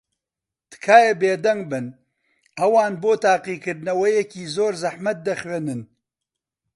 تکایە بێدەنگ بن. ئەوان بۆ تاقیکردنەوەیەکی زۆر زەحمەت دەخوێنن.